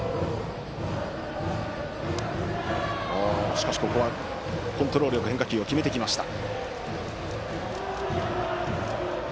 しかし、コントロールよく変化球を決めてきました。